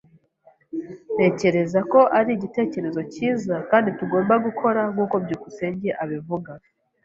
Ntekereza ko ari igitekerezo cyiza kandi tugomba gukora nkuko byukusenge abivuga.